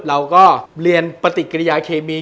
เราก็เรียนปฏิเสธเกรียร์เคมี